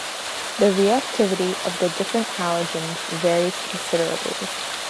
The reactivity of the different halogens varies considerably.